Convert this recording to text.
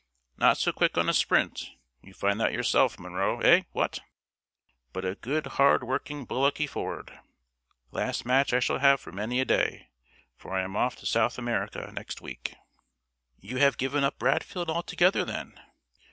Not so quick on a sprint you find that yourself, Munro, eh what? but a good hard working bullocky forward. Last match I shall have for many a day, for I am off to South America next week." "You have given up Bradfield altogether then?"